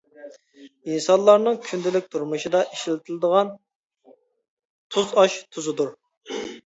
ئىنسانلارنىڭ كۈندىلىك تۇرمۇشىدا ئىشلىتىلىدىغان تۇز ئاش تۇزىدۇر.